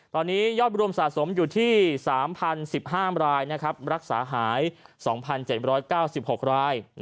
ตอนนี้ยอดรวมสะสมอยู่ที่๓๐๑๕รายรักษาหาย๒๗๙๖ราย